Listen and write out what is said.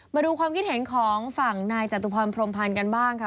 มาดูความคิดเห็นของฝั่งนายจตุพรพรมพันธ์กันบ้างค่ะ